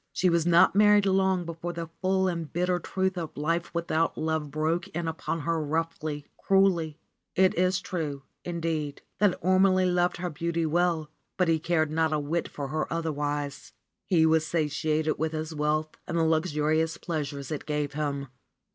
She was not married long before the full and bitter truth of life without love broke in upon her roughly, cruelly. It is true, indeed. 110 RENUNCIATION OF FRA SIMONETTA that Ormelie loved her beauty well, but he cared not a whit for her otherwise. He was satiated with his wealth and the luxurious pleasures it gave him.